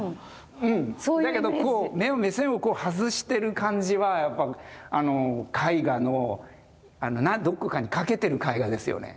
だけど目線を外してる感じはやっぱ絵画のどこかに掛けてる絵画ですよね。